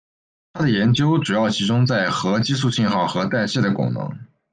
他的研究主要集中在核激素信号和代谢的功能。